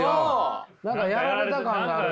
何かやられた感があるな。